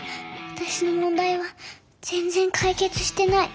私の問題は全然解決してない。